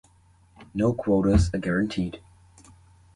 No quotas are guaranteed.